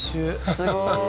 すごーい